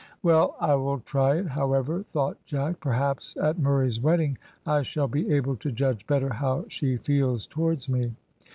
"Well, I will try it, however," thought Jack. "Perhaps at Murray's wedding, I shall be able to judge better how she feels towards me."